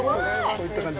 こういった感じ。